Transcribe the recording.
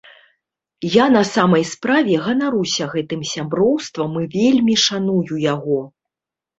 Я на самай справе ганаруся гэтым сяброўствам і вельмі шаную яго.